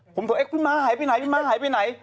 ผมตอบคุณม้าหายไปไหนคุณม้าหายไปไหน